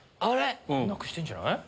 なくしてんじゃない？